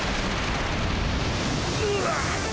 うわっ。